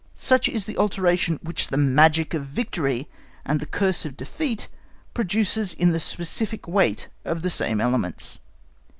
Such is the alteration which the magic of victory and the curse of defeat produces in the specific weight of the same elements.